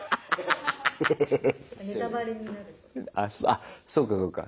あそうかそうか。